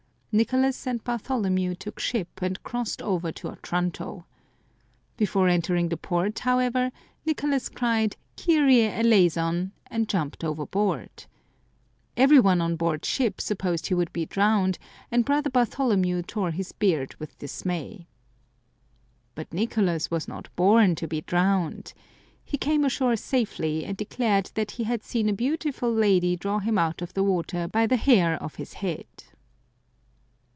Nicolas and Bartholomew took ship and crossed over to Otranto. Before entering the port, however, Nicolas cried, " Kyrie eleison !" and jumped over board. Every one on board ship supposed he would be drowned, and Brother Bartholomew tore his beard with dismay. But Nicolas was not born to be drowned. He came ashore safely, and declared that he had seen a beautiful lady draw him out of the water by the hair of his head.